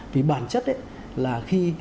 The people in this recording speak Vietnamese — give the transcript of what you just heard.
vì bản chất là khi